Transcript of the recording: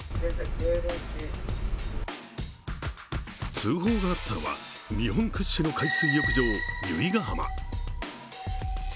通報があったのは、日本屈指の海水浴場由比ガ浜。